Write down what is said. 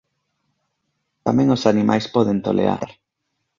Tamén os animais poden tolear...